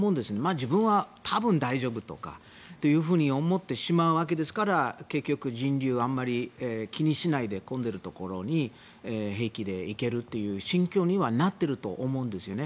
自分は多分大丈夫とかそう思ってしまうわけですから結局、人流はあまり気にしないで混んでるところに平気で行けるという心境にはなってると思うんですよね。